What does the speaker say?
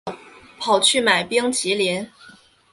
跑去买冰淇淋